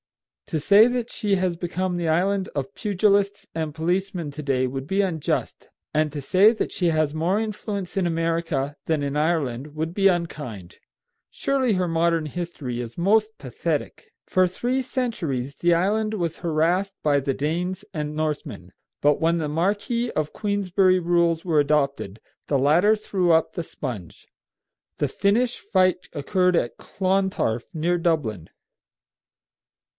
To say that she has become the island of pugilists and policemen to day would be unjust, and to say that she has more influence in America than in Ireland would be unkind. Surely her modern history is most pathetic. For three centuries the island was harassed by the Danes and Northmen; but when the Marquis of Queensberry rules were adopted, the latter threw up the sponge. The finish fight occurred at Clontarf, near Dublin.